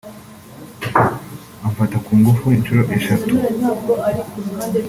amfata ku ngufu inshuro eshatu